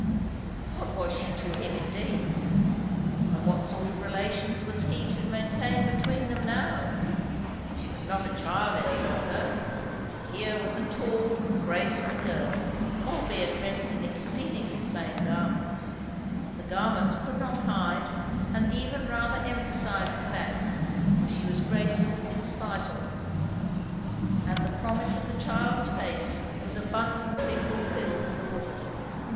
What was she to him indeed? And what sort of relations was he to maintain between them now? She was not a child any longer. Here was a tall, graceful girl, albeit dressed in exceedingly plain garments; the garments could not hide and even rather emphasized the fact, for she was graceful in spite of them. And the promise of the child's face was abundantly fulfilled in the woman.